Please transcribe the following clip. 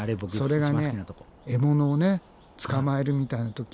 それが獲物を捕まえるみたいな時にはね。